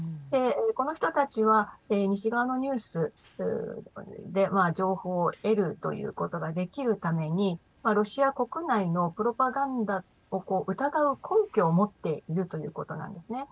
この人たちは西側のニュースで情報を得るということができるためにロシア国内のプロパガンダを疑う根拠を持っているということなんですね。